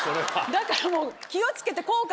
だからもう。